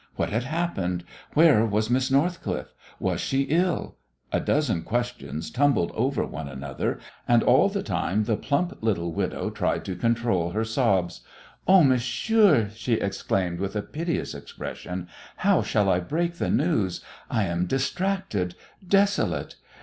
What had happened? Where was Miss Northcliffe? Was she ill? A dozen questions tumbled over one another, and all the time the plump little widow tried to control her sobs. "Oh, monsieur," she exclaimed, with a piteous expression, "how shall I break the news? I am distracted, desolate!